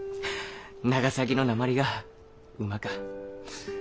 長崎のなまりがうまか。